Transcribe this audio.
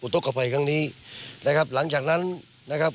อย่างนี้นะครับหลังจากนั้นนะครับ